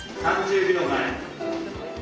３０秒前。